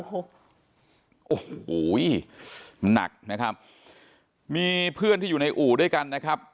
โอ้โหหนักนะครับมีเพื่อนที่อยู่ในอู่ด้วยกันนะครับ